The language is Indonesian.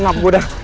ngenap gue dah